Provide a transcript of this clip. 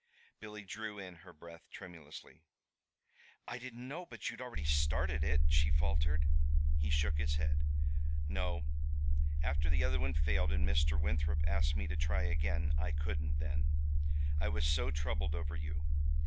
Billy drew in her breath tremulously. "I didn't know but you'd already started it," she faltered. He shook his head. "No. After the other one failed, and Mr. Winthrop asked me to try again, I couldn't then. I was so troubled over you.